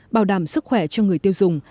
bảo đảm sức khỏe cho người tiêu dùng